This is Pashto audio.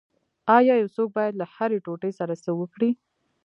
ایا یو څوک باید له هرې ټوټې سره څه وکړي